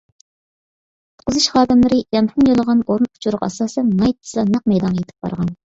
قۇتقۇزۇش خادىملىرى يانفون يوللىغان ئورۇن ئۇچۇرىغا ئاساسەن، ناھايىتى تېزلا نەق مەيدانغا يېتىپ بارغان.